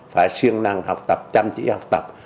phải siêng năng học tập chăm chỉ học tập